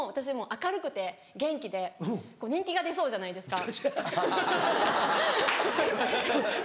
「明るくて元気で人気が出そうじゃないですか」。